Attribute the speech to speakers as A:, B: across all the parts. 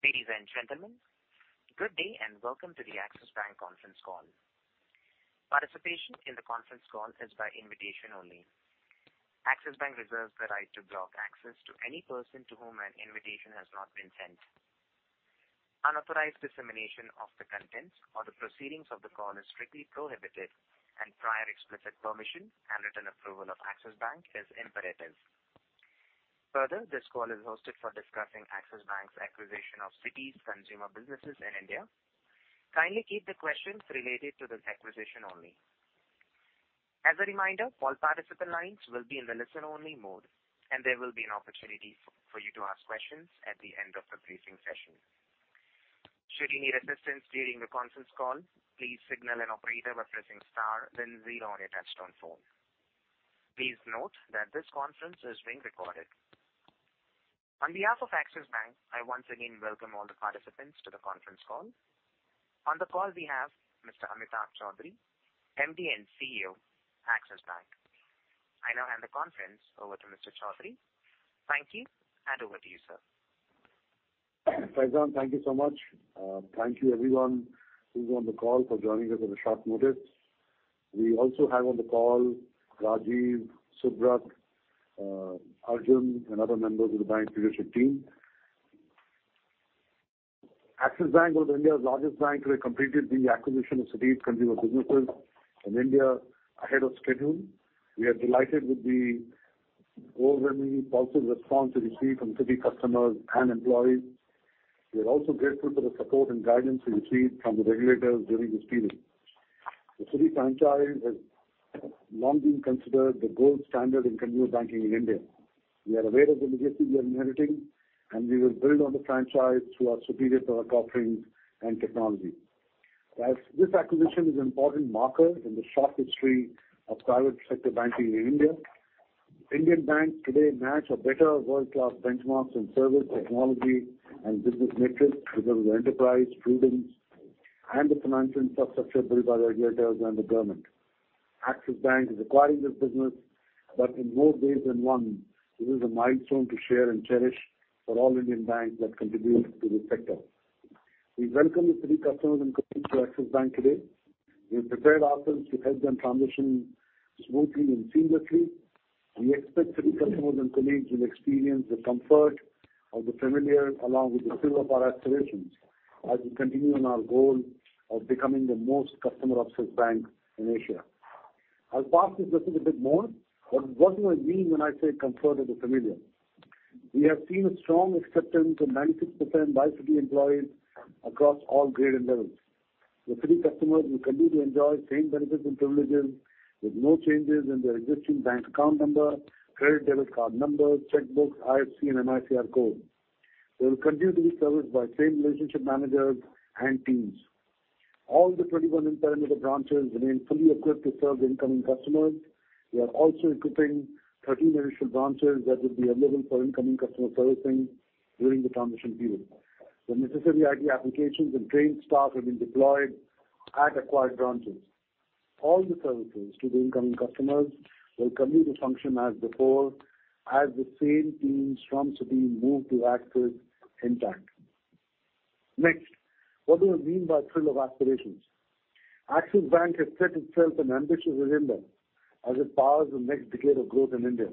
A: Ladies and gentlemen, good day. Welcome to the Axis Bank conference call. Participation in the conference call is by invitation only. Axis Bank reserves the right to block access to any person to whom an invitation has not been sent. Unauthorized dissemination of the contents or the proceedings of the call is strictly prohibited, and prior explicit permission and written approval of Axis Bank is imperative. Further, this call is hosted for discussing Axis Bank's acquisition of Citi's consumer businesses in India. Kindly keep the questions related to this acquisition only. As a reminder, all participant lines will be in the listen-only mode, and there will be an opportunity for you to ask questions at the end of the briefing session. Should you need assistance during the conference call, please signal an operator by pressing star then zero on your touchtone phone. Please note that this conference is being recorded. On behalf of Axis Bank, I once again welcome all the participants to the conference call. On the call, we have Mr. Amitabh Chaudhry, MD & CEO, Axis Bank. I now hand the conference over to Mr. Chaudhry. Thank you, over to you, sir.
B: Faizan, thank you so much. Thank you everyone who's on the call for joining us at a short notice. We also have on the call Rajiv, Subrat, Arjun, and other members of the bank leadership team. Axis Bank was India's largest bank. We completed the acquisition of Citi's consumer businesses in India ahead of schedule. We are delighted with the overwhelmingly positive response we received from Citi customers and employees. We are also grateful for the support and guidance we received from the regulators during this period. The Citi franchise has long been considered the gold standard in consumer banking in India. We are aware of the legacy we are inheriting, and we will build on the franchise through our superior product offerings and technology. As this acquisition is an important marker in the short history of private sector banking in India, Indian banks today match or better world-class benchmarks in service, technology, and business metrics because of the enterprise, prudence, and the financial infrastructure built by the regulators and the government. Axis Bank is acquiring this business. In more ways than one, it is a milestone to share and cherish for all Indian banks that contribute to this sector. We welcome the Citi customers and colleagues to Axis Bank today. We have prepared ourselves to help them transition smoothly and seamlessly. We expect Citi customers and colleagues will experience the comfort of the familiar along with the thrill of our aspirations as we continue on our goal of becoming the most customer-obsessed bank in Asia. I'll pause this just a little bit more. What do I mean when I say comfort of the familiar? We have seen a strong acceptance of 96% by Citi employees across all grade and levels. The Citi customers will continue to enjoy same benefits and privileges with no changes in their existing bank account number, credit/debit card number, checkbooks, IFSC, and MICR code. They will continue to be serviced by same relationship managers and teams. All the 21 in parameter branches remain fully equipped to serve incoming customers. We are also equipping 30 initial branches that will be available for incoming customer servicing during the transition period. The necessary IT applications and trained staff have been deployed at acquired branches. All the services to the incoming customers will continue to function as before as the same teams from Citi move to Axis intact. Next, what do I mean by thrill of aspirations? Axis Bank has set itself an ambitious agenda as it powers the next decade of growth in India.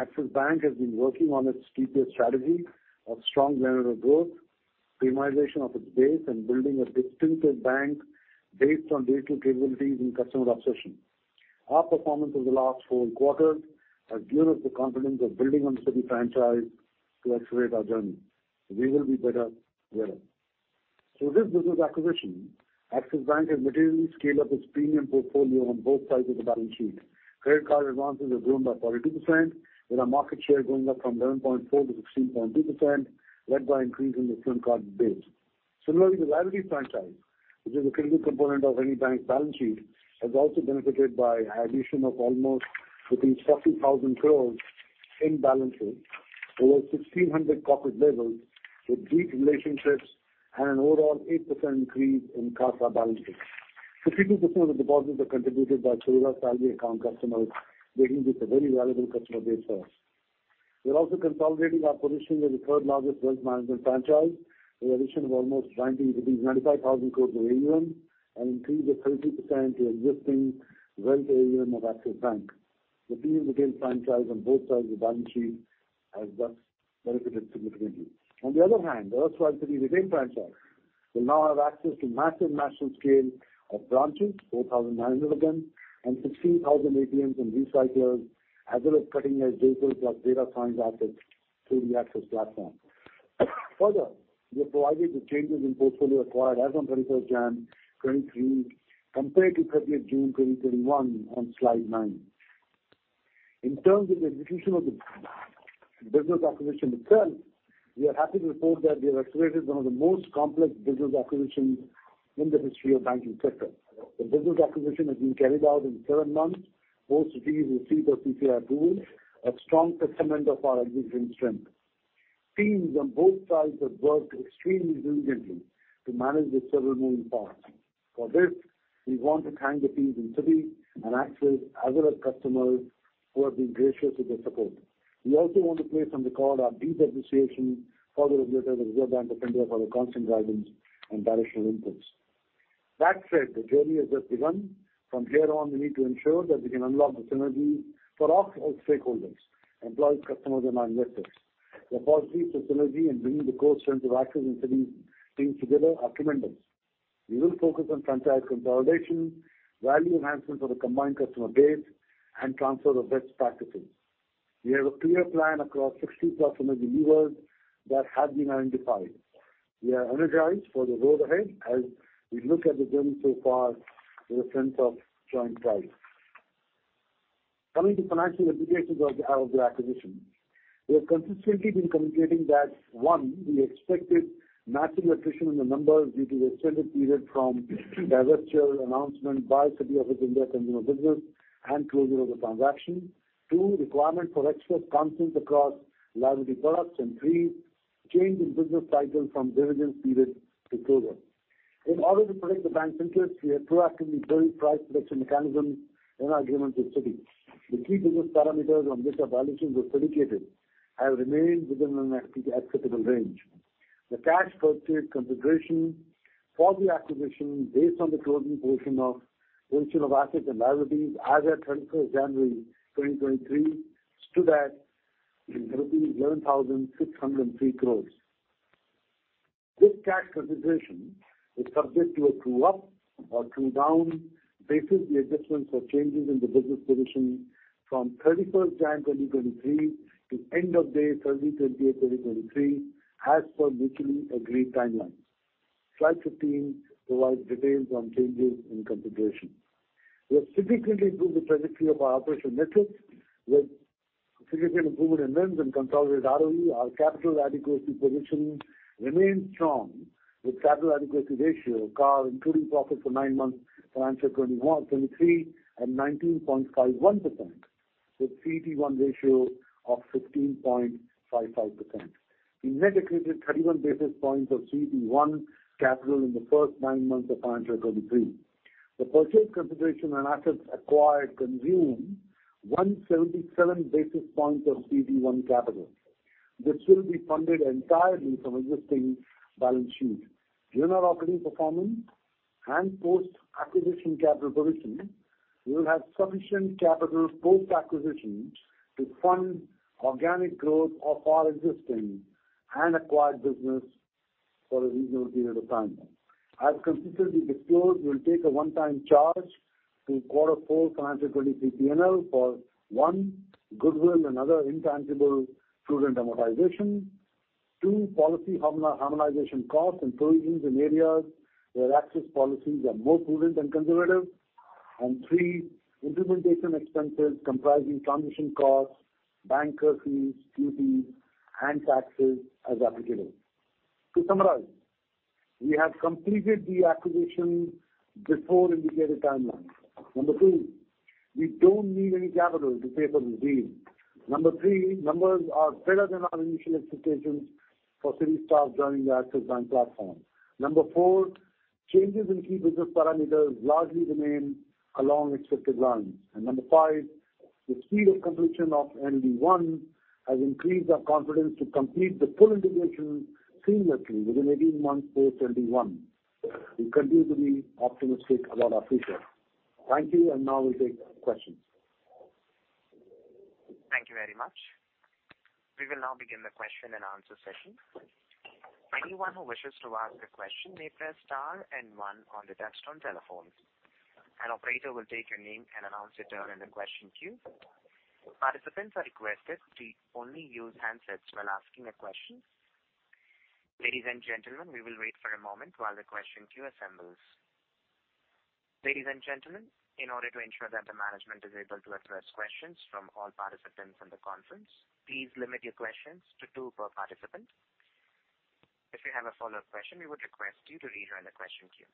B: Axis Bank has been working on its three-pillar strategy of strong loan or growth, premiumization of its base, and building a distinctive bank based on digital capabilities and customer obsession. Our performance over the last four quarters has given us the confidence of building on the Citi franchise to accelerate our journey. We will be better together. Through this business acquisition, Axis Bank has materially scaled up its premium portfolio on both sides of the balance sheet. Credit card advances have grown by 42%, with our market share going up from 11.4 to 16.2%, led by increase in the film card base. Similarly, the liability franchise, which is a critical component of any bank's balance sheet, has also benefited by addition of almost between 40,000 crores in balances over 1,600 corporate levels with deep relationships and an overall 8% increase in CASA balances. 52% of the deposits are contributed by payroll salary account customers, making this a very valuable customer base for us. We're also consolidating our position as the third-largest wealth management franchise with an addition of almost between 95,000 crores of AUM, an increase of 30% to existing wealth AUM of Axis Bank. The deal between franchise on both sides of the balance sheet has thus benefited significantly. On the other hand, erstwhile Citi retained franchise will now have access to massive national scale of branches, 4,900 of them, and 16,000 ATMs and recyclers, as well as cutting-edge digital plus data science assets through the Axis platform. We have provided the changes in portfolio acquired as on 31st January 2023 compared to 30 June 2021 on slide 9. In terms of the execution of the business acquisition itself, we are happy to report that we have accelerated one of the most complex business acquisitions in the history of banking sector. The business acquisition has been carried out in seven months. Both cities received a CCR approval, a strong testament of our execution strength. Teams on both sides have worked extremely diligently to manage the several moving parts. For this, we want to thank the team in Citi and Axis Bank, as well as customers who have been gracious with their support. We also want to place on record our deep appreciation for the regulators, Reserve Bank of India for their constant guidance and directional inputs. That said, the journey has just begun. From here on, we need to ensure that we can unlock the synergy for all stakeholders, employees, customers, and our investors. The possibilities for synergy in bringing the core strengths of Axis Bank and Citi teams together are tremendous. We will focus on franchise consolidation, value enhancement for the combined customer base, and transfer of best practices. We have a clear plan across 60+ million users that have been identified. We are energized for the road ahead as we look at the journey so far with a sense of joint pride. Coming to financial implications of the acquisition. We have consistently been communicating that, 1, we expected massive attrition in the numbers due to extended period from divestiture announcement by Citi India consumer business and closure of the transaction. 2, requirement for excess consent across liability products. 3, change in business cycle from diligence period to closure. In order to protect the bank's interest, we have proactively built price protection mechanisms in our agreement with Citi. The three business parameters on which our valuations were predicated have remained within an acceptable range. The cash purchase consideration for the acquisition based on the closing position of ratio of assets and liabilities as at 21st January 2023 stood at INR 11,603 crores. This cash consideration is subject to a true up or true down based on the adjustments or changes in the business position from 31st January 2023 to end of day 28th 2023 as per mutually agreed timelines. Slide 15 provides details on changes in consideration. We have significantly improved the trajectory of our operational metrics with significant improvement in NIMS and consolidated ROE. Our capital adequacy positioning remains strong with capital adequacy ratio, CAR, including profit for 9 months, financial 2023 at 19.51% with CET1 ratio of 15.55%. We net accreted 31 basis points of CET1 capital in the first nine months of financial 2023. The purchase consideration and assets acquired consume 177 basis points of CET1 capital, which will be funded entirely from existing balance sheet. Given our operating performance and post-acquisition capital position, we will have sufficient capital post-acquisition to fund organic growth of our existing and acquired business for a reasonable period of time. As consistently disclosed, we will take a one-time charge to quarter four financial 2023 P&L for, one, goodwill and other intangible prudent amortization, two, policy harmonization costs and provisions in areas where Axis policies are more prudent and conservative, and three, implementation expenses comprising transition costs, banker fees, duties, and taxes as applicable. To summarize, we have completed the acquisition before indicated timelines. Number two, we don't need any capital to pay for this deal. Number 3, numbers are better than our initial expectations for Citi staff joining the Axis Bank platform. Number 4, changes in key business parameters largely remain along expected lines. Number 5, the speed of completion of Day 1 has increased our confidence to complete the full integration seamlessly within 18 months post Day 1. We continue to be optimistic about our future. Thank you. Now we'll take questions.
A: Thank you very much. We will now begin the question and answer session. Anyone who wishes to ask a question may press star and one on the touchtone telephones. An operator will state your name and announce your turn in the question queue. Participants are requested to only use handsets while asking a question. Ladies and gentlemen, we will wait for a moment while the question queue assembles. Ladies and gentlemen, in order to ensure that the management is able to address questions from all participants in the conference, please limit your questions to two per participant. If you have a follow-up question, we would request you to rejoin the question queue.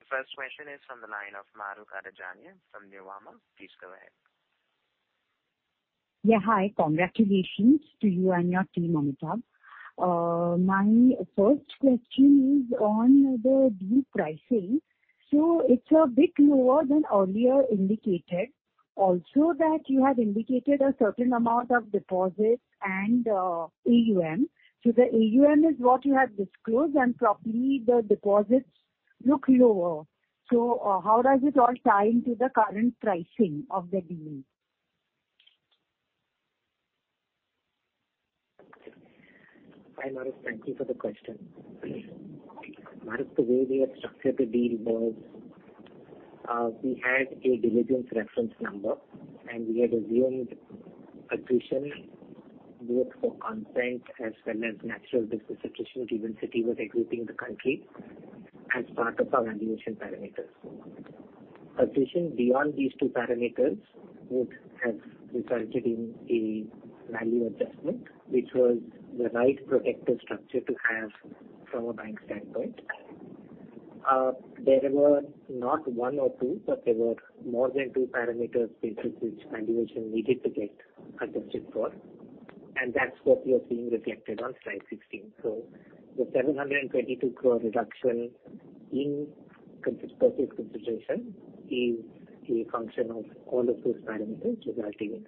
A: The first question is from the line of Mahrukh Adajania from Nuvama. Please go ahead.
C: Yeah, hi. Congratulations to you and your team, Amitabh. My first question is on the deal pricing. It's a bit lower than earlier indicated. Also that you had indicated a certain amount of deposits and AUM. The AUM is what you have disclosed and probably the deposits look lower. How does it all tie into the current pricing of the deal?
B: Hi, Mahrukh. Thank you for the question. Mahrukh, the way we had structured the deal was, we had a diligence reference number, and we had assumed attrition both for consent as well as natural business attrition, given Citi was exiting the country as part of our valuation parameters. Attrition beyond these two parameters would have resulted in a value adjustment, which was the right protective structure to have from a bank standpoint. There were not one or two, but there were more than two parameters into which valuation needed to get adjusted for, and that's what you're seeing reflected on slide 16. The INR 722 crore reduction in purchase consideration is a function of all of those parameters resulting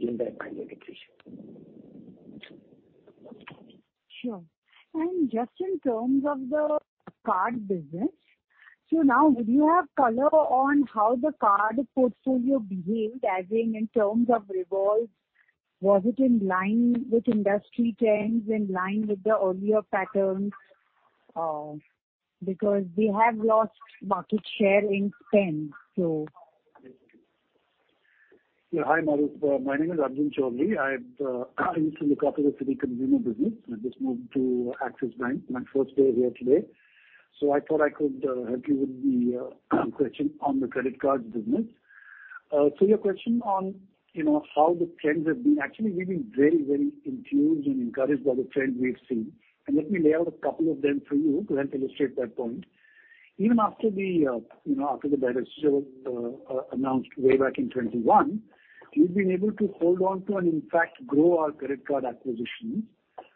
B: in that value attrition.
C: Sure. Just in terms of the card business. Now would you have color on how the card portfolio behaved as in terms of revolves? Was it in line with industry trends, in line with the earlier patterns? Because we have lost market share in spend, so...
D: Yeah. Hi, Mahrukh. My name is Arjun Chowdhry. I've I used to look after the Citi consumer business. I just moved to Axis Bank, my first day here today, I thought I could help you with the question on the credit cards business. Your question on, you know, how the trends have been. Actually, we've been very, very enthused and encouraged by the trend we've seen. Let me lay out a couple of them for you to help illustrate that point. Even after the, you know, after the divestiture announced way back in 2021, we've been able to hold on to and in fact grow our credit card acquisitions,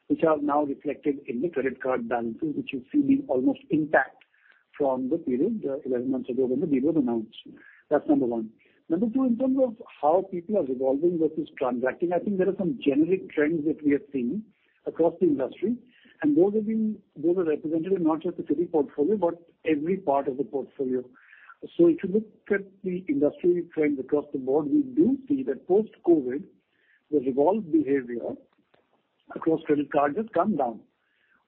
D: which are now reflected in the credit card balances, which you see being almost intact from the period, 11 months ago when the deal was announced. That's number one. Number two, in terms of how people are revolving versus transacting, I think there are some generic trends that we are seeing across the industry, those are represented in not just the Citi portfolio, but every part of the portfolio. If you look at the industry trends across the board, we do see that post-COVID, the revolve behavior across credit cards has come down,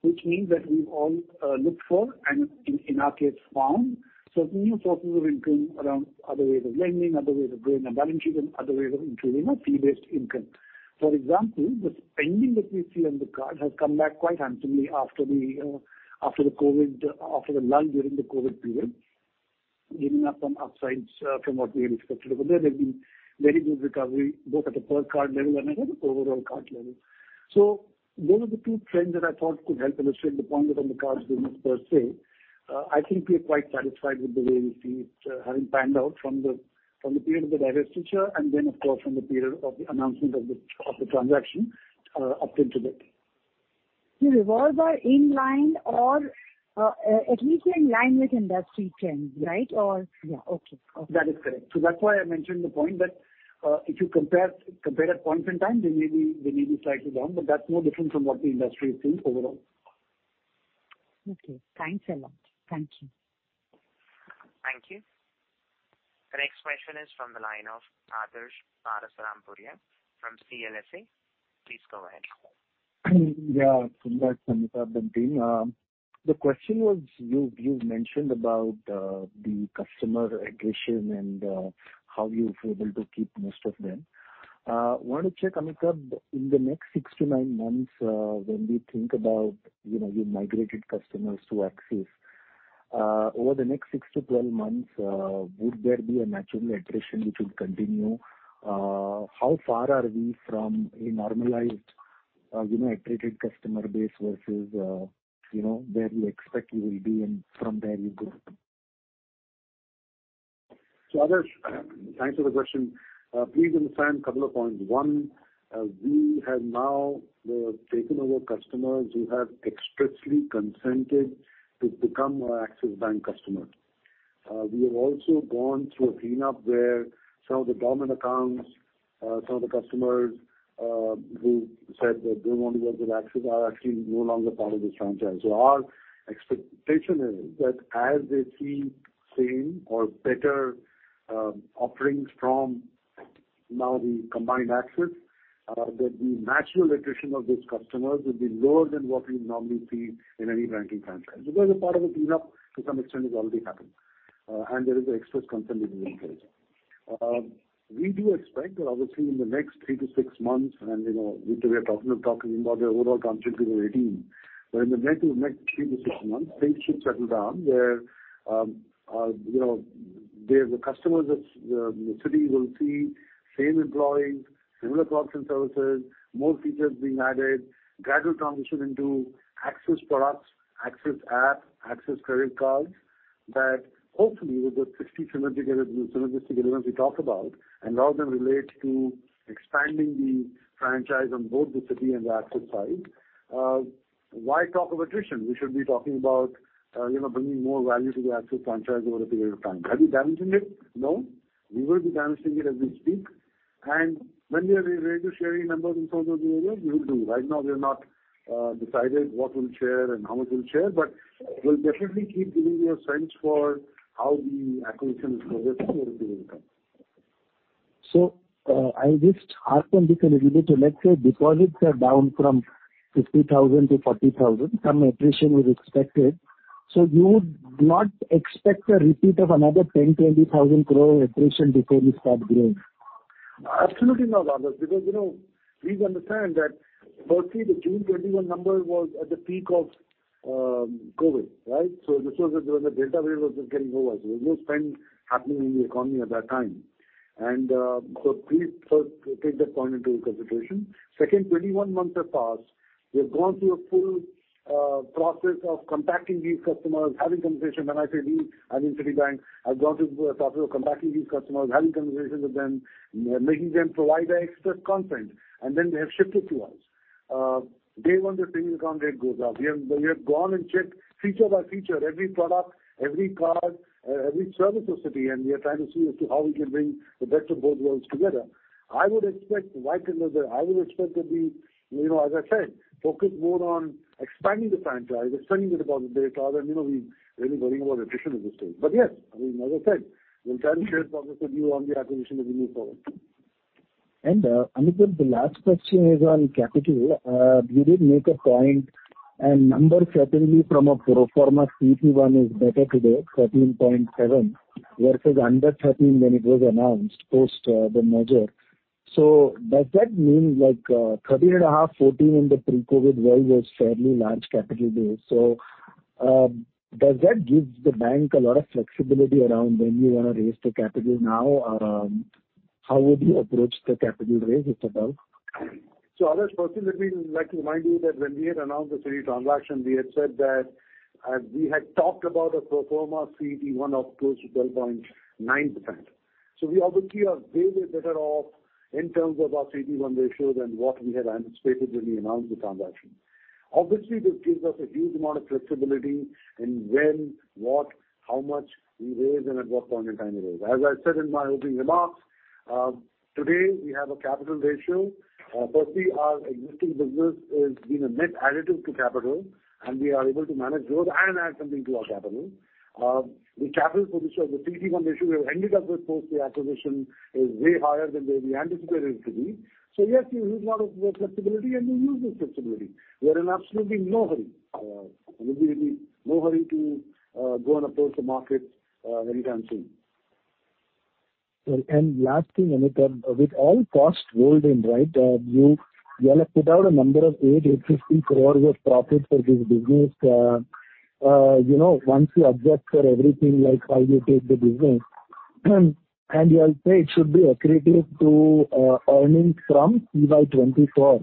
D: which means that we've all looked for and in our case, found certain new sources of income around other ways of lending, other ways of growing our balance sheet and other ways of improving our fee-based income. For example, the spending that we see on the card has come back quite handsomely after the after the COVID after the lull during the COVID period, giving us some upsides from what we had expected. There has been very good recovery both at the per card level and the overall card level. Those are the two trends that I thought could help illustrate the point that on the cards business per se, I think we are quite satisfied with the way we see it, having panned out from the, from the period of the diresture and then of course, from the period of the announcement of the, of the transaction, up until date.
C: The revolve are in line or, at least they're in line with industry trends, right? Yeah, okay. Okay.
D: That is correct. That's why I mentioned the point that, if you compare at points in time, they may be slightly down, but that's no different from what the industry is seeing overall.
C: Okay, thanks a lot. Thank you.
A: Thank you. The next question is from the line of Adarsh Parasrampuria from CLSA. Please go ahead.
E: Yeah. Good night, Amitabh and the team. The question was you've mentioned about the customer attrition and how you've able to keep most of them. Want to check, Amitabh, in the next 6 to 9 months, when we think about, you know, you migrated customers to Axis, over the next 6 to 12 months, would there be a natural attrition which will continue? How far are we from a normalized, you know, attrited customer base versus, you know, where you expect you will be and from there you go?
B: Adarsh, thanks for the question. Please understand a couple of points. One, we have now taken over customers who have expressly consented to become our Axis Bank customers. We have also gone through a cleanup where some of the dormant accounts, some of the customers, who said that they want to go with Axis are actually no longer part of this franchise. Our expectation is that as they see same or better offerings from now the combined Axis, that the natural attrition of those customers will be lower than what we normally see in any banking franchise. A part of the cleanup to some extent has already happened, and there is an express consent in the new franchise. We do expect that obviously in the next 3 to 6 months, you know, we are talking, we're talking about the overall transaction through 2028. In the next 3 to 6 months, things should settle down where, you know, there the customers at Citi will see same employees, similar products and services, more features being added, gradual transition into Axis products, Axis app, Axis credit cards that hopefully with those 60 synergies, synergistic elements we talked about, a lot of them relate to expanding the franchise on both the Citi and the Axis side. Why talk of attrition? We should be talking about, you know, bringing more value to the Axis franchise over a period of time. Are we diluting it? No, we will be diluting it as we speak. When we are ready to share any numbers in terms of the areas, we will do. Right now, we have not decided what we'll share and how much we'll share, but we'll definitely keep giving you a sense for how the acquisition is progressing over due in time.
E: I just harped on this a little bit. Let's say deposits are down from 60,000 to 40,000, some attrition is expected. You would not expect a repeat of another 10,000-20,000 crore attrition before you start growing?
B: Absolutely not, Adarsh, because, you know, please understand that firstly, the June 2021 number was at the peak of COVID, right? This was when the Delta wave was just getting over. There was no spend happening in the economy at that time. Please first take that point into consideration. Second, 21 months have passed. We have gone through a full process of contacting these customers, having conversations. When I say we, I mean Citibank has gone through the process of contacting these customers, having conversations with them, making them provide the express consent, then they have shifted to us. Day 1, the savings account rate goes up. We have gone and checked feature by feature, every product, every card, every service of Citi, and we are trying to see as to how we can bring the best of both worlds together. I would expect that we, you know, as I said, focus more on expanding the franchise, expanding the deposit base rather than, you know, we really worrying about attrition at this stage. Yes, I mean, as I said, we'll try and share progress with you on the acquisition as we move forward.
E: Amitabh, the last question is on capital. You did make a point and numbers certainly from a pro forma CET1 is better today, 13.7 versus under 13 when it was announced post the merger. Does that mean like 13.5, 14 in the pre-COVID world was fairly large capital base. Does that give the bank a lot of flexibility around when you wanna raise the capital now? Or how would you approach the capital raise, if at all?
B: Adarsh, firstly let me like remind you that when we had announced the Citi transaction, we had said that we had talked about a pro forma CET1 of close to 12.9%. We obviously are way better off in terms of our CET1 ratios and what we had anticipated when we announced the transaction. Obviously, this gives us a huge amount of flexibility in when, what, how much we raise and at what point in time we raise. As I said in my opening remarks, today we have a capital ratio. Firstly our existing business is being a net additive to capital, and we are able to manage growth and add something to our capital. The capital position, the CET1 ratio we have ended up with post the acquisition is way higher than where we anticipated it to be. Yes, a huge amount of flexibility and we use this flexibility. We are in absolutely no hurry. There's really no hurry to go and approach the market anytime soon.
E: Last thing, Amitabh, with all costs rolled in, right, you had put out a number of 850 crore your profit for this business. you know, once you adjust for everything like how you take the business, and you'll say it should be accretive to earnings from FY24.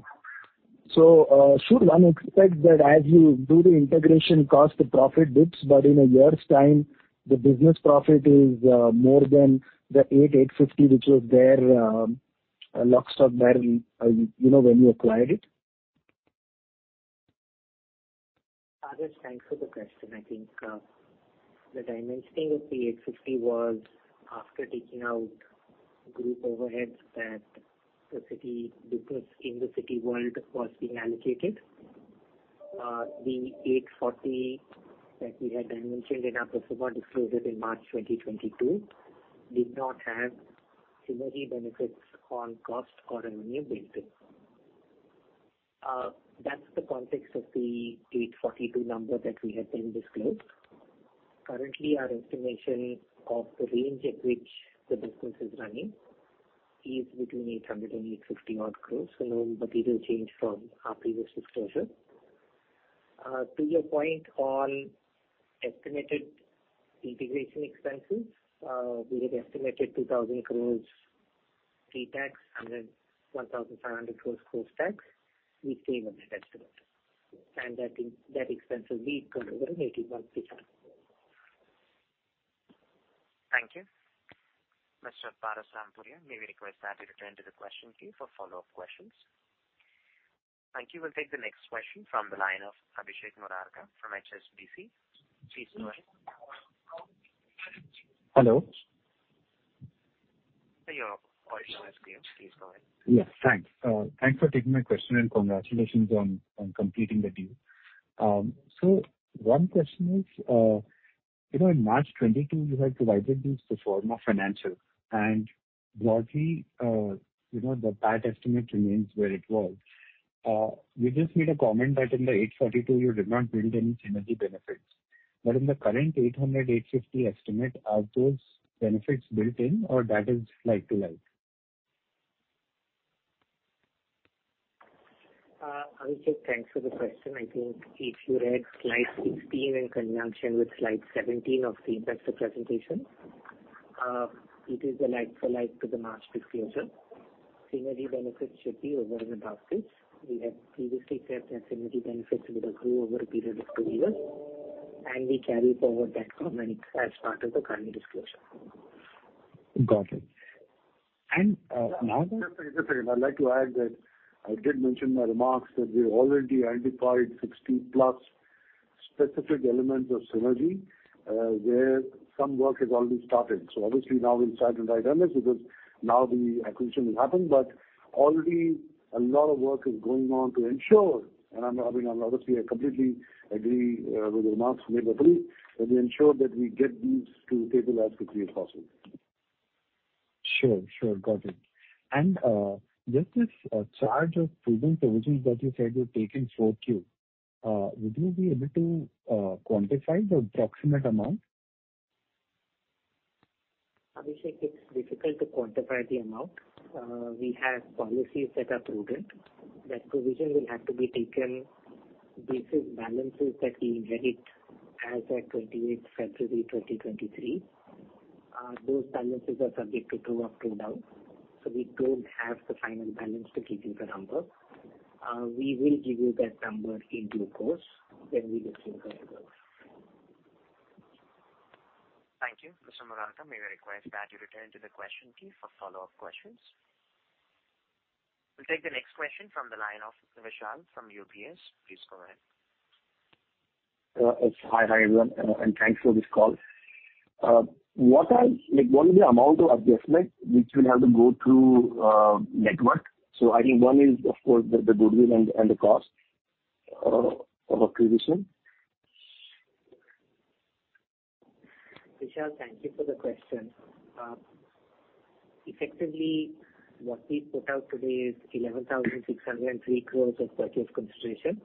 E: Should one expect that as you do the integration cost to profit dips but in a year's time the business profit is more than the 850 crore which was there, locked up there, you know, when you acquired it?
F: Adarsh, thanks for the question. I think that I mentioned the 850 was after taking out group overheads that the Citi business in the Citi World was being allocated. The 840 that we had mentioned in our pro forma disclosures in March 2022 did not have synergy benefits on cost or revenue basis. That's the context of the 842 number that we had then disclosed. Currently, our estimation of the range at which the business is running is between 800 and 850 odd crores. No material change from our previous disclosure. To your point on estimated integration expenses, we had estimated 2,000 crores pre-tax and then 1,700 crores post-tax. We stay with that estimate. That expense will be recovered in 18 months, ish time.
A: Thank you. Mr. Parasrampuria, may we request that you return to the question queue for follow-up questions? Thank you. We'll take the next question from the line of Abhishek Murarka from HSBC. Please go ahead.
G: Hello?
A: Your audio is mute. Please go ahead.
G: Thanks for taking my question and congratulations on completing the deal. One question is, you know, in March 2022 you had provided the pro forma financials and broadly, you know, the PAT estimate remains where it was. We just made a comment that in the 842 you did not build any synergy benefits. In the current 800-850 estimate, are those benefits built in or that is like to like?
F: Abhishek, thanks for the question. I think if you read slide 16 in conjunction with slide 17 of the investor presentation, it is the like for like to the March disclosure. Synergy benefits should be over in the back page. We had previously said that synergy benefits would accrue over a period of 2 years. We carry forward that comment as part of the current disclosure.
G: Got it.
B: Just a second. I'd like to add that I did mention in my remarks that we already identified 60-plus specific elements of synergy, where some work has already started. Obviously now we'll sit and write on it because now the acquisition has happened. Already a lot of work is going on to ensure, I mean, obviously I completely agree with the remarks made by Pranav, that we ensure that we get these to table as quickly as possible.
G: Sure. Sure. Got it. Just this, charge of prudent provisions that you said you would take in 4Q, would you be able to quantify the approximate amount?
F: Abhishek, it's difficult to quantify the amount. We have policies that are prudent. That provision will have to be taken based on balances that we inherit as of 28th February 2023. Those balances are subject to true up, true down. We don't have the final balance to give you the number. We will give you that number in due course when we disclose the results.
A: Thank you. Mr. Morarka, may I request that you return to the question queue for follow-up questions. We'll take the next question from the line of Vishal from UBS. Please go ahead.
H: Hi, hi, everyone, and thanks for this call. Like, what is the amount of adjustment which will have to go through, network? I think one is of course the goodwill and the cost of acquisition.
F: Vishal, thank you for the question. Effectively what we put out today is 11,603 crore of purchase consideration,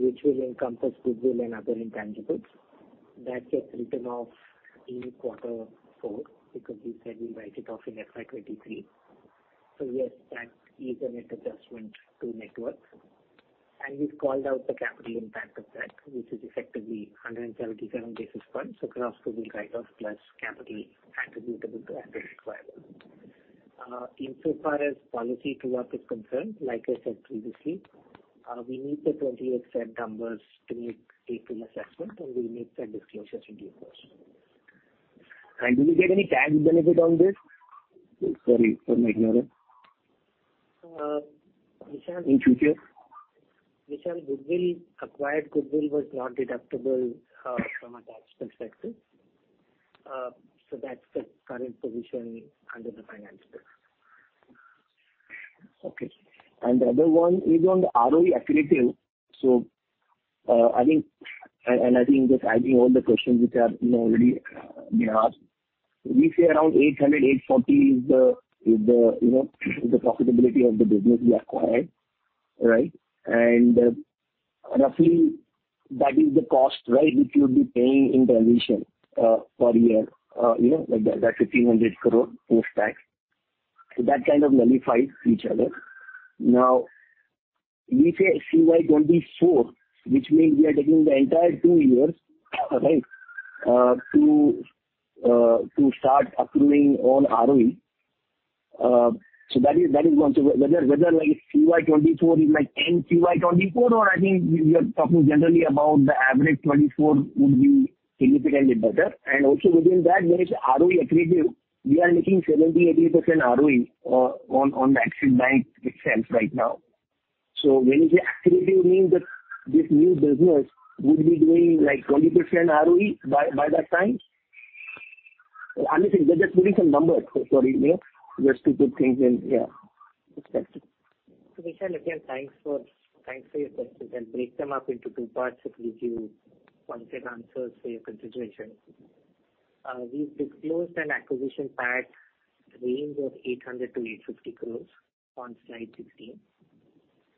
F: which will encompass goodwill and other intangibles. That gets written off in quarter four because we said we write it off in FY23. Yes, that is a net adjustment to network. We've called out the capital impact of that, which is effectively 177 basis points across goodwill write-off plus capital attributable to asset requirement. Insofar as policy true up is concerned, like I said previously, we need the 28 February numbers to make a true assessment, and we'll make that disclosure in due course.
H: Do we get any tax benefit on this? Sorry for my ignorance.
F: Vishal.
H: In future.
F: Vishal, goodwill, acquired goodwill was not deductible from a tax perspective. That's the current position under the Finance Bill.
H: Okay. The other one is on the ROE accretive. I think just adding all the questions which have, you know, already been asked. We say around 800-840 is the, you know, the profitability of the business we acquired, right? Roughly that is the cost, right, which you'll be paying in transition per year, you know, like that 1,500 crore post-tax. That kind of nullifies each other. Now, we say FY24, which means we are taking the entire 2 years, right, to start accruing on ROE. That is one to. Whether like FY24 is like 10 FY24 or I think we are talking generally about the average 2024 would be significantly better. Also within that, when you say ROE accretive, we are making 70%, 80% ROE on the Axis Bank itself right now. When you say accretive, you mean that this new business would be doing like 20% ROE by that time? I'm just, we're just doing some numbers. Sorry, you know, just to put things in, yeah, perspective.
F: Vishal, again, thanks for your questions. I'll break them up into two parts, which will give you concrete answers for your consideration. We've disclosed an acquisition PAT range of 800 crore-850 crore on slide 16.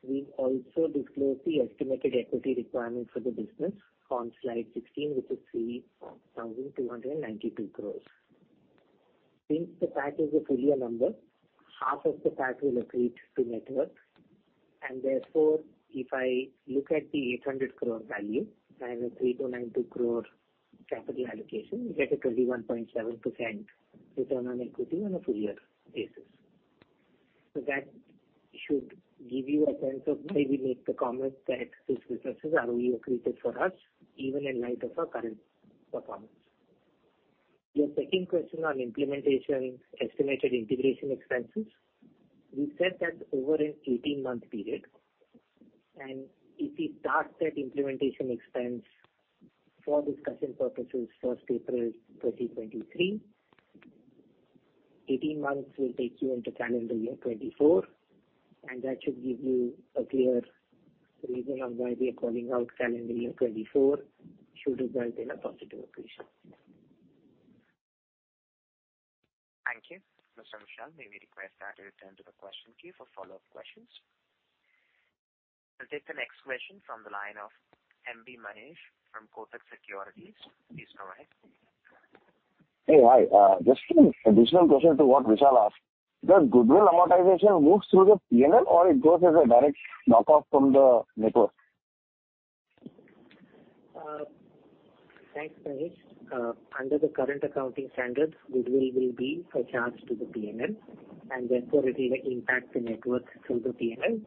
F: We've also disclosed the estimated equity requirement for the business on slide 16, which is 3,292 crore. Since the PAT is a full year number, half of the PAT will accrete to network. If I look at the 800 crore value and the 3,292 crore capital allocation, you get a 21.7% return on equity on a full year basis. That should give you a sense of why we made the comment that this business is ROE accretive for us, even in light of our current performance. Your second question on implementation, estimated integration expenses. We said that's over an 18-month period. If we start that implementation expense for discussion purposes April 1, 2023, 18 months will take you into calendar year 2024, and that should give you a clear reason on why we are calling out calendar year 2024 should result in a positive accretion.
A: Thank you. Mr. Vishal, may we request that you return to the question queue for follow-up questions. I'll take the next question from the line of M.B. Mahesh from Kotak Securities. Please go ahead.
I: Hey. Hi. Just an additional question to what Vishal asked. Does goodwill amortization move through the P&L or it goes as a direct knock-off from the network?
F: Thanks, Mahesh. Under the current accounting standards, goodwill will be a charge to the P&L, and therefore it will impact the network through the P&L.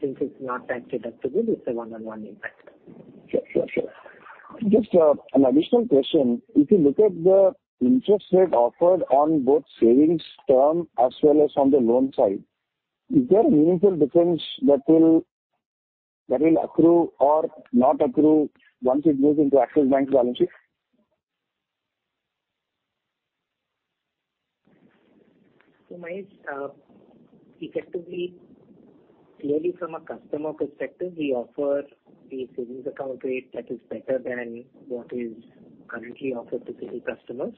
F: Since it's not tax-deductible, it's a one-on-one impact.
I: Sure. Sure, sure. Just an additional question. If you look at the interest rate offered on both savings term as well as on the loan side, is there a meaningful difference that will accrue or not accrue once it moves into Axis Bank balance sheet?
F: Mahesh, effectively, clearly from a customer perspective, we offer a savings account rate that is better than what is currently offered to Citi customers.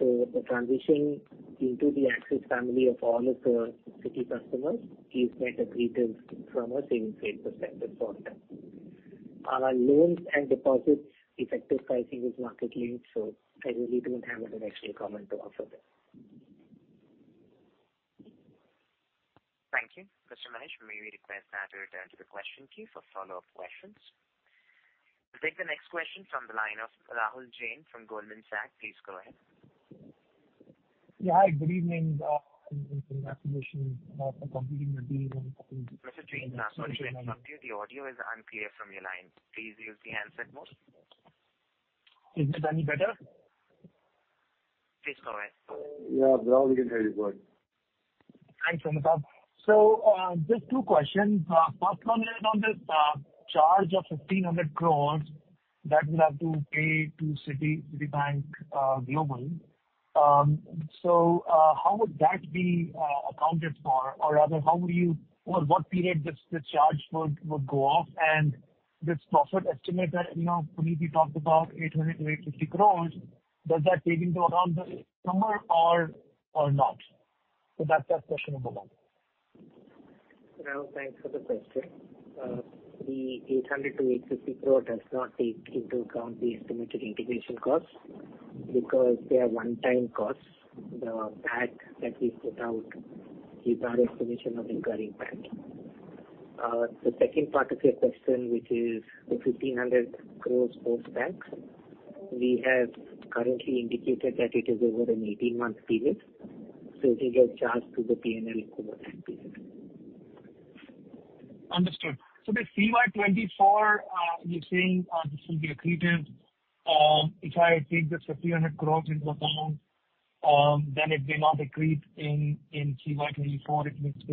F: The transition into the Axis family of all of the Citi customers is net accretive from a savings rate perspective for them. Our loans and deposits effective pricing is market linked, so I really don't have an additional comment to offer there.
A: Thank you. Mr. Mahesh, may we request that you return to the question queue for follow-up questions. We'll take the next question from the line of Rahul Jain from Goldman Sachs. Please go ahead.
J: Yeah. Hi, good evening. Congratulations, for completing the deal.
A: Mr. Jain, sorry to interrupt you. The audio is unclear from your line. Please use the handset mode.
J: Is this any better?
A: Please go ahead.
B: Now we can hear you. Go ahead.
J: Thanks. Just two questions. First one is on this charge of 1,500 crores that you have to pay to Citi, Citibank Global. How would that be accounted for? Or rather, how would you or what period this charge would go off? And this profit estimate that, you know, Puneet, you talked about, 800-850 crores, does that take into account this number or not? That's question number one.
F: Rahul, thanks for the question. The 800-850 crore does not take into account the estimated integration costs because they are one-time costs. The pact that we put out is our estimation of incurring that. The second part of your question, which is the 1,500 crore post-tax, we have currently indicated that it is over an 18-month period, it will get charged to the PNL over that period.
J: Understood. The CY '24, you're saying, this will be accretive. If I take this 1,500 crores into account, then it will not accrete in CY '24. It moves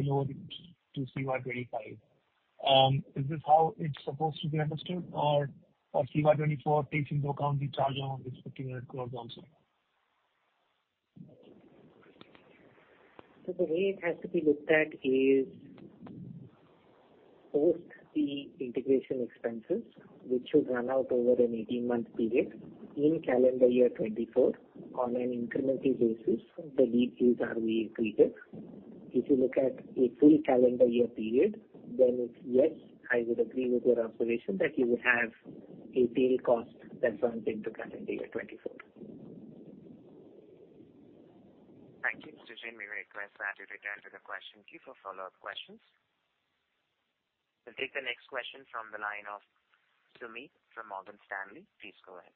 J: to CY '25. Is this how it's supposed to be understood? Or CY '24 takes into account the charge on this INR 1,500 crores also?
F: The way it has to be looked at is post the integration expenses, which should run out over an 18-month period in calendar year 2024 on an incremental basis, the 12 are being accreted. If you look at a full calendar year period, it's, yes, I would agree with your observation that you would have a period cost that runs into calendar year 2024.
A: Thank you. Mr. Jain, may we request that you return to the question queue for follow-up questions. We'll take the next question from the line of Sumeet from Morgan Stanley. Please go ahead.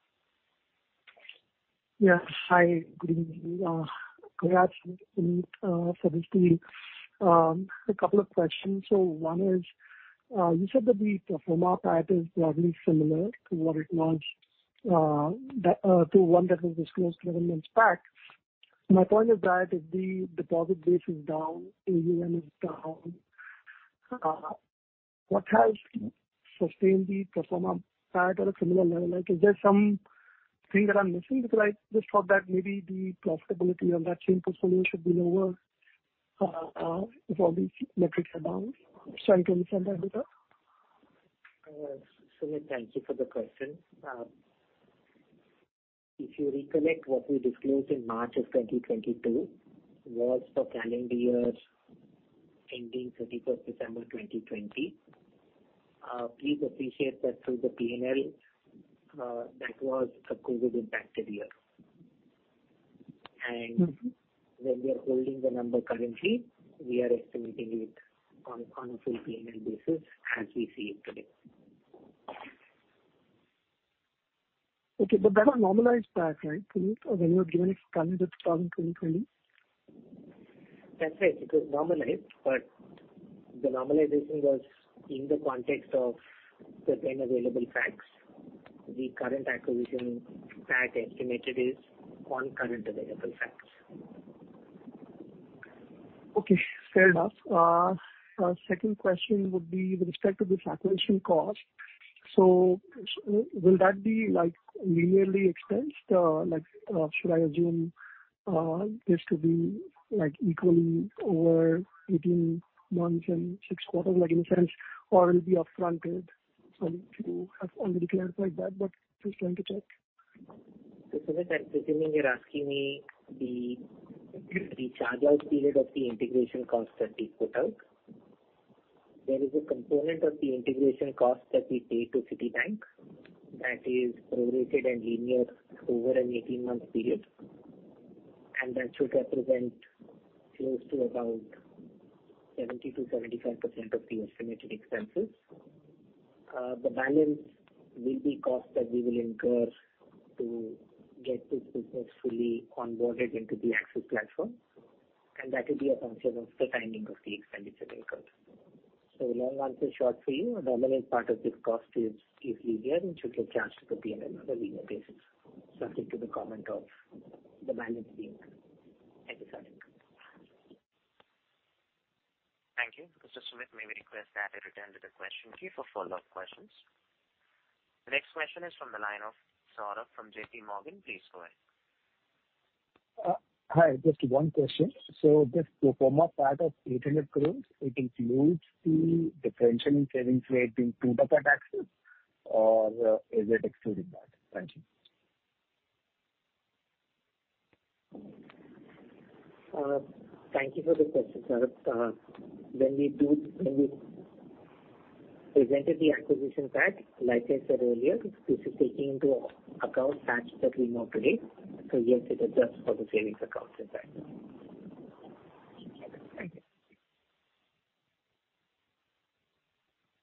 K: Yes. Hi. Good evening. Congrats, Puneet, for this deal. A couple of questions. One is, you said that the pro forma PAT is broadly similar to what it was, to one that was disclosed 11 months back. My point is that if the deposit base is down, AUM is down, what has sustained the pro forma PAT at a similar level? Like, is there something that I'm missing? Because I just thought that maybe the profitability on that same portfolio should be lower with all these metrics down. Sorry, can you send that data?
F: Sumeet, thank you for the question. If you recollect what we disclosed in March of 2022 was for calendar years ending 31st December 2020. Please appreciate that through the PNL, that was a COVID-impacted year.
K: Mm-hmm.
F: When we are holding the number currently, we are estimating it on a full P&L basis as we see it today.
K: Okay. That was normalized PAT, right, Puneet? When you had given it for calendar 2020?
F: That's right. It was normalized, but the normalization was in the context of the then available facts. The current acquisition PAT estimated is on current available facts.
K: Okay. Fair enough. Second question would be with respect to this acquisition cost. Will that be, like, linearly expensed? Like, should I assume this to be, like, equally over 18 months and 6 quarters, like, in a sense, or it'll be up-fronted? Sorry if you have already clarified that, but just trying to check.
F: Sumeet, I'm assuming you're asking me the charge-out period of the integration costs that we put out. There is a component of the integration costs that we pay to Citibank that is prorated and linear over an 18-month period. That should represent close to about 70%-75% of the estimated expenses. The balance will be costs that we will incur to get this business fully onboarded into the Axis platform, and that will be a function of the timing of the expenditure incurred. Long answer short for you, the dominant part of this cost is linear and should get charged to the PNL on a linear basis, subject to the comment of the balance being at the.
A: Thank you. Mr. Sumeet, may we request that you return to the question queue for follow-up questions. The next question is from the line of Saurabh from JP Morgan. Please go ahead.
L: Hi. Just one question. This pro forma PAT of 800 crore, it includes the differential in savings rate being 2 bucca taxes or is it excluding that? Thank you.
F: Thank you for the question, Saurabh. When we entered the acquisition pack. Like I said earlier, this is taking into account facts that we know today. Yes, it adjusts for the savings account as well.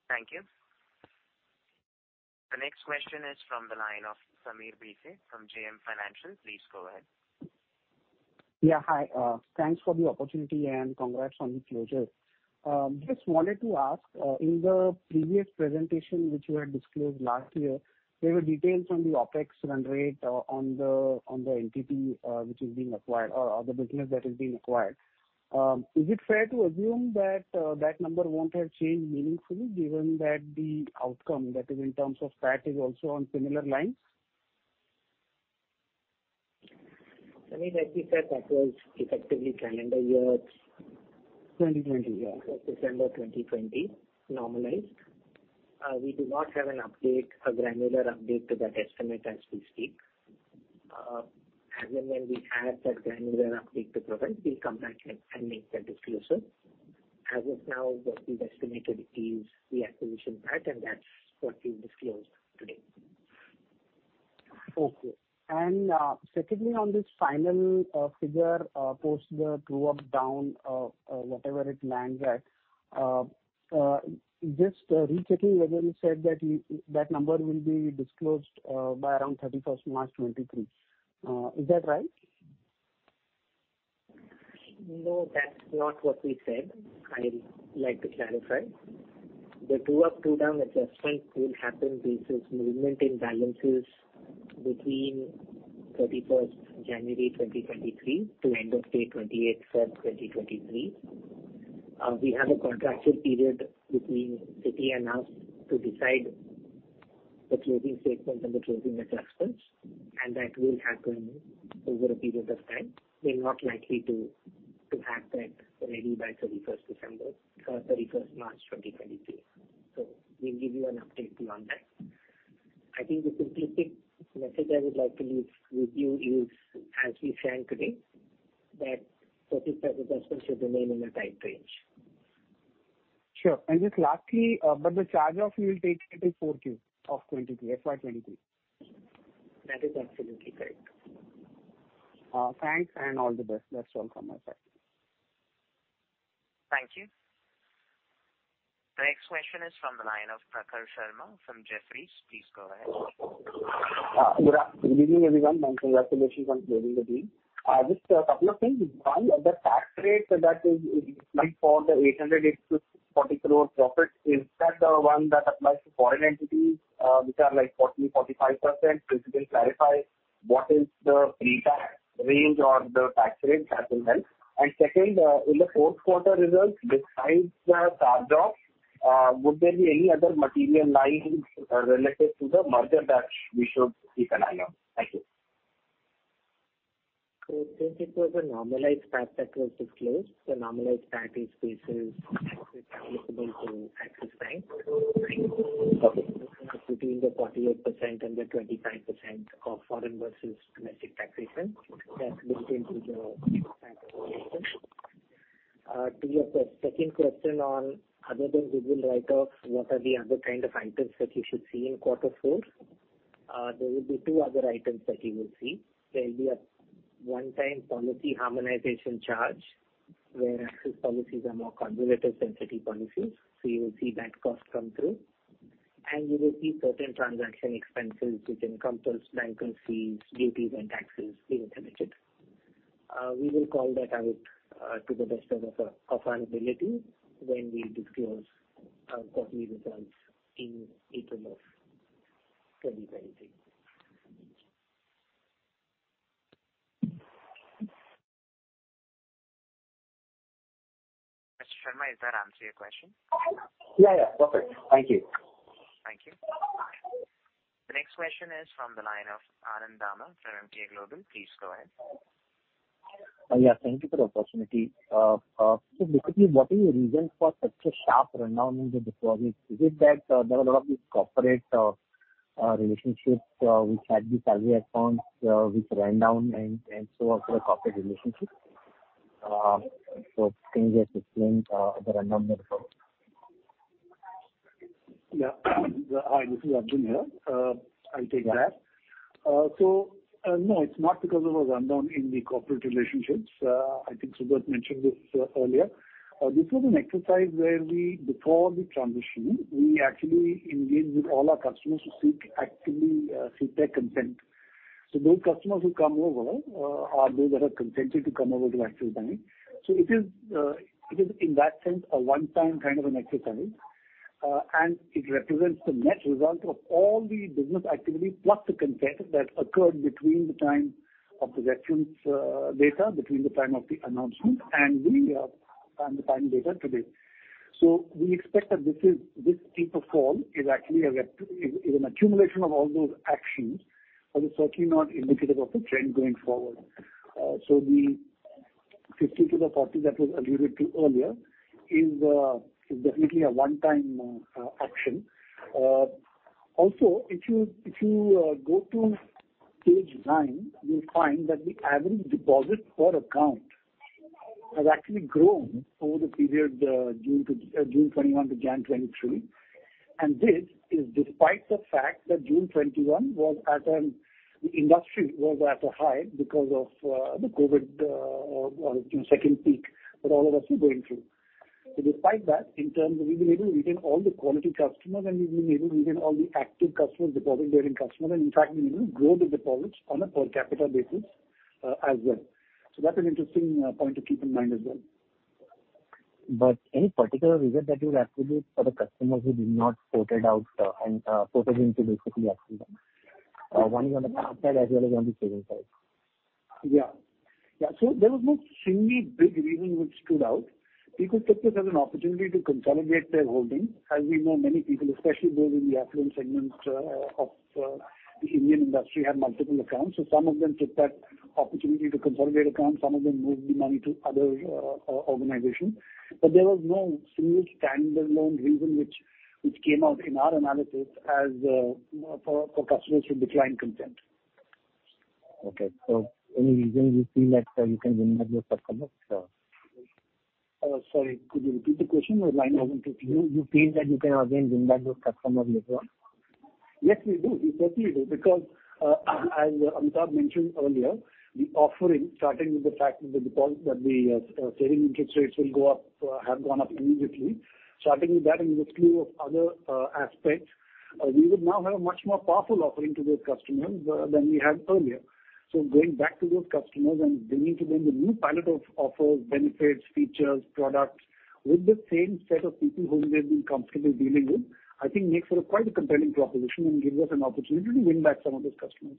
A: Thank you. The next question is from the line of Sameer Bhise from JM Financial. Please go ahead.
M: Hi, thanks for the opportunity and congrats on the closure. Just wanted to ask, in the previous presentation, which you had disclosed last year, there were details on the OpEx run rate on the entity which is being acquired or the business that is being acquired. Is it fair to assume that number won't have changed meaningfully given that the outcome that is in terms of fact is also on similar lines?
F: I mean, as we said, that was effectively calendar year-
M: 2020, yeah.
F: December 2020 normalized. We do not have an update, a granular update to that estimate as we speak. As and when we have that granular update to provide, we'll come back and make that disclosure. As of now, what we've estimated is the acquisition price, and that's what we've disclosed today.
M: Okay. Secondly on this final figure, post the true-up down, whatever it lands at, just rechecking whether you said that number will be disclosed by around 31st March 2023. Is that right?
F: No, that's not what we said. I'd like to clarify. The true-up, true-down adjustment will happen based on movement in balances between 31st January 2023 to end of day 28th February 2023. We have a contracted period between Citi and us to decide the closing statements and the closing adjustments, and that will happen over a period of time. We're not likely to have that ready by 31st December or 31st March 2023. We'll give you an update on that. I think the simplistic message I would like to leave with you is, as we said today, that 47 adjustments should remain in that time range.
M: Sure. Just lastly, but the charge-off you'll take, it is 4Q of 23, FY23?
F: That is absolutely correct.
M: Thanks and all the best. That's all from my side.
A: Thank you. The next question is from the line of Prakhar Sharma from Jefferies. Please go ahead.
N: Good evening, everyone, and congratulations on closing the deal. Just a couple of things. One, the tax rate that is applied for the 884 crore profit, is that the one that applies to foreign entities, which are like 40%-45%? Please clarify what is the pre-tax range or the tax rate that you meant. Second, in the fourth quarter results, besides the charge-off, would there be any other material lines related to the merger that we should keep an eye on? Thank you.
F: Since it was a normalized tax that was disclosed, the normalized tax is based on taxes applicable to Axis Bank between the 48% and the 25% of foreign versus domestic taxation that's built into the tax calculation. To your second question on other than Google write-off, what are the other kind of items that you should see in quarter four? There will be two other items that you will see. There will be a one-time policy harmonization charge, where Axis policies are more conservative than Citi policies. You will see that cost come through. You will see certain transaction expenses, which encompasses bank fees, duties and taxes being collected. We will call that out to the best of our ability when we disclose our quarterly results in April of 2023.
A: Mr. Sharma, does that answer your question?
N: Yeah, yeah. Perfect. Thank you.
A: Thank you. The next question is from the line of Anand Dama from Emkay Global. Please go ahead.
O: Yeah, thank you for the opportunity. Basically, what are your reasons for such a sharp rundown in the deposits? Is it that there are a lot of these corporate relationships which had these salary accounts which ran down and so after the corporate relationship? Can you just explain the rundown therefore?
D: Yeah. Hi. This is Arjun here. I'll take that. No, it's not because of a rundown in the corporate relationships. I think Subrat mentioned this earlier. This was an exercise where we, before the transition, we actually engaged with all our customers to seek actively seek their consent. Those customers who come over are those that have consented to come over to Axis Bank. It is, it is in that sense a one-time kind of an exercise. It represents the net result of all the business activity plus the consent that occurred between the time of the reference data between the time of the announcement and the and the time data today. We expect that this steeper fall is actually an accumulation of all those actions, but it's certainly not indicative of the trend going forward. The 50 to 40 that was alluded to earlier is definitely a one-time action. Also, if you go to page 9, you'll find that the average deposit per account Has actually grown over the period, June to June 2021 to January 2023. This is despite the fact that June 2021 was at the industry was at a high because of the COVID, you know, second peak that all of us were going through. Despite that, in terms of we've been able to retain all the quality customers and we've been able to retain all the active customers, deposit-bearing customers, and in fact, we've even grown the deposits on a per capita basis as well. That's an interesting point to keep in mind as well.
O: Any particular reason that you would attribute for the customers who did not ported out and ported into basically Axis Bank? One is on the card side as well as on the savings side.
D: Yeah. Yeah, there was no single big reason which stood out. People took this as an opportunity to consolidate their holdings. As we know, many people, especially those in the affluent segments, of the Indian industry, have multiple accounts. Some of them took that opportunity to consolidate accounts, some of them moved the money to other organizations. There was no single standalone reason which came out in our analysis as for customers who declined to come in.
O: Okay. Any reason you feel that, you can win back those customers?
D: Sorry, could you repeat the question? The line wasn't too clear.
O: You feel that you can again win back those customers later on?
D: Yes, we do. We certainly do because as Amitabh mentioned earlier, the offering, starting with the fact that the deposit, the saving interest rates will go up, have gone up immediately. Starting with that and with a slew of other aspects, we would now have a much more powerful offering to those customers than we had earlier. Going back to those customers and bringing to them the new palette of offers, benefits, features, products with the same set of people whom they've been comfortable dealing with, I think makes for quite a compelling proposition and gives us an opportunity to win back some of those customers.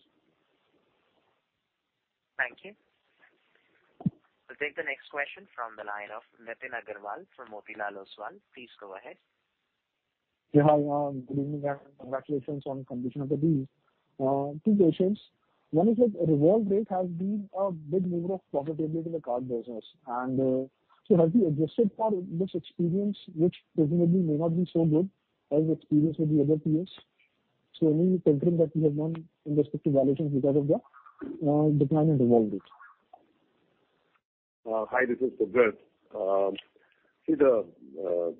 A: Thank you. We'll take the next question from the line of Nitin Aggarwal from Motilal Oswal. Please go ahead.
P: Yeah, hi, good evening and congratulations on completion of the deal. Two questions. One is that revolve rate has been a big mover of profitability in the card business. Have you adjusted for this experience, which presumably may not be so good as experience with the other peers? Any tempering that you have done in respect to valuations because of the decline in revolve rate?
Q: Hi, this is Subrat. See the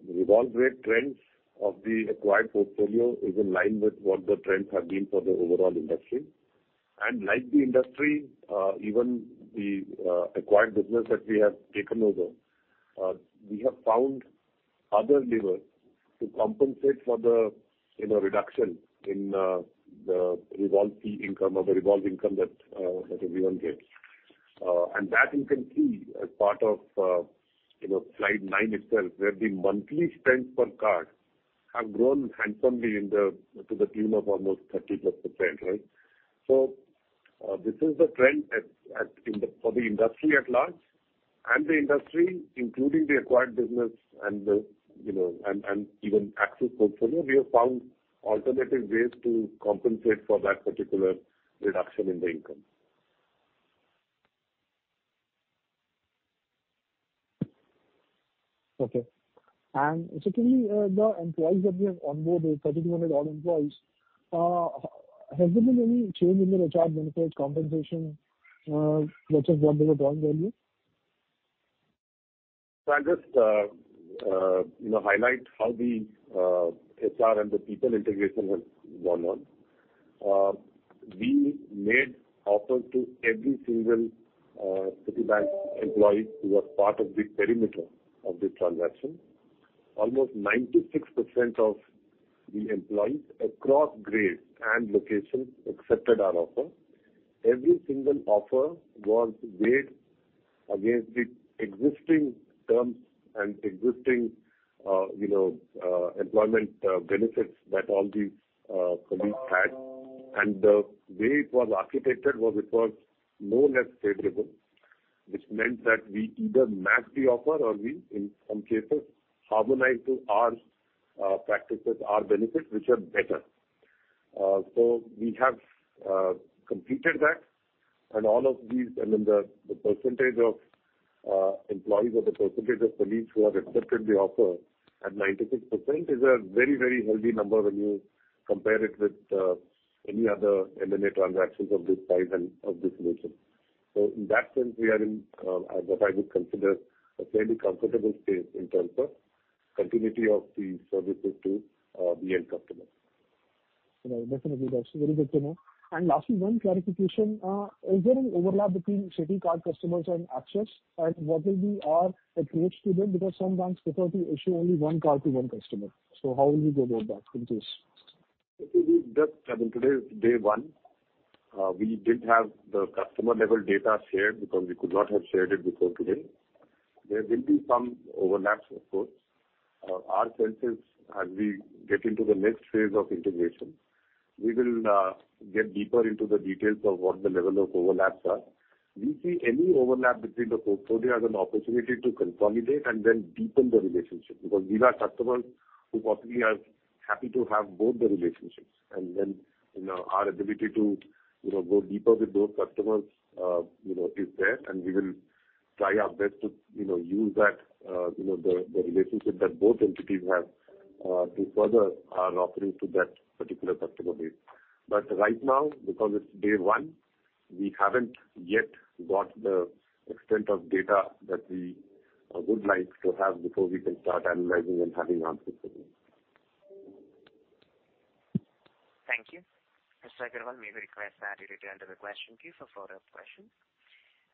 Q: revolve rate trends of the acquired portfolio is in line with what the trends have been for the overall industry. Like the industry, even the acquired business that we have taken over, we have found other levers to compensate for the, you know, reduction in the revolve fee income or the revolve income that everyone gets. That you can see as part of, you know, slide 9 itself, where the monthly spends per card have grown handsomely in the, to the tune of almost 30%+, right? This is the trend for the industry at large, and the industry, including the acquired business and the, you know, and even Axis portfolio, we have found alternative ways to compensate for that particular reduction in the income.
P: Okay. Secondly, the employees that we have onboarded, 3,100 odd employees, has there been any change in their HR benefits, compensation, let's say from the Day 1 value?
Q: I'll just, you know, highlight how the HR and the people integration has gone on. We made offers to every single Citibank employee who was part of the perimeter of the transaction. Almost 96% of the employees across grades and locations accepted our offer. Every single offer was weighed against the existing terms and existing, you know, employment benefits that all these colleagues had. The way it was architected was it was no less favorable, which meant that we either matched the offer or we, in some cases, harmonized to our practices, our benefits, which are better. We have completed that. All of these, I mean, the percentage of employees or the percentage of colleagues who have accepted the offer at 96% is a very, very healthy number when you compare it with any other M&A transactions of this size and of this nature. In that sense, we are in what I would consider a fairly comfortable space in terms of continuity of the services to the end customer.
P: Right. Definitely, that's very good to know. Lastly, one clarification. Is there an overlap between Citi card customers and Axis? What will be our approach to them? Some banks prefer to issue only one card to one customer. How will you go about that in this?
Q: I think with that, I mean, today is Day 1. We didn't have the customer-level data shared because we could not have shared it before today. There will be some overlaps, of course. Our sense is as we get into the next phase of integration, we will get deeper into the details of what the level of overlaps are. We see any overlap between the portfolio as an opportunity to consolidate and then deepen the relationship, because these are customers who possibly are happy to have both the relationships and then, you know, our ability to, you know, go deeper with those customers, you know, is there and we will try our best to, you know, use that, you know, the relationship that both entities have to further our offering to that particular customer base. Right now, because it's Day 1, we haven't yet got the extent of data that we would like to have before we can start analyzing and having answers for you.
A: Thank you. Mr. Agarwal, may we request that you return to the question queue for further questions.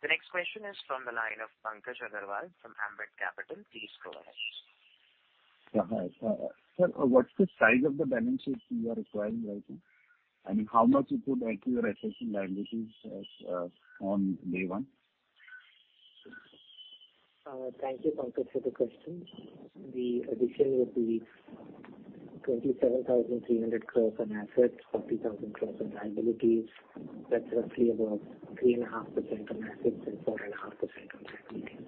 A: The next question is from the line of Pankaj Agarwal from Ambit Capital. Please go ahead.
R: Sir, what's the size of the balances you are acquiring right now? I mean, how much you put back to your existing balances as on Day 1?
F: Thank you, Pankaj, for the question. The addition would be 27,300 crores on assets, 40,000 crores on liabilities. That's roughly about 3.5% on assets and 4.5% on liabilities.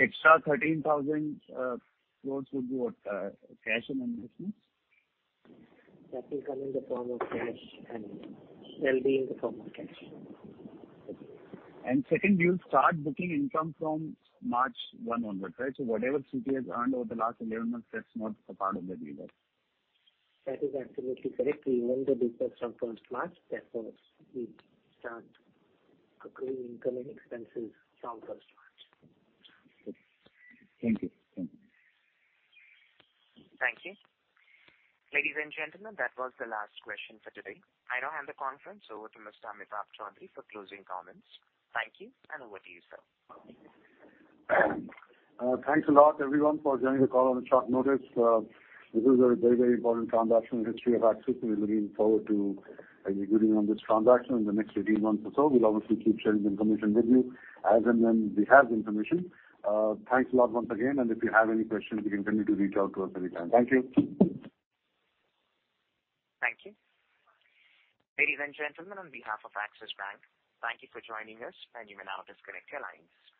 R: Extra 13,000 crores would be what? Cash and investments?
F: That will come in the form of cash and will be in the form of cash.
R: Second, you'll start booking income from March 1 onwards, right? Whatever CT has earned over the last 11 months, that's not a part of the deal, right?
F: That is absolutely correct. We own the business from first March, therefore, we start accruing income and expenses from first March.
R: Thank you. Thank you.
A: Thank you. Ladies and gentlemen, that was the last question for today. I now hand the conference over to Mr. Amitabh Chaudhry for closing comments. Thank you. Over to you, sir.
B: Thanks a lot, everyone, for joining the call on short notice. This is a very, very important transaction in the history of Axis, and we're looking forward to executing on this transaction in the next 18 months or so. We'll obviously keep sharing the information with you as and when we have the information. Thanks a lot once again, and if you have any questions, you can continue to reach out to us anytime. Thank you.
A: Thank you. Ladies and gentlemen, on behalf of Axis Bank, thank you for joining us and you may now disconnect your lines.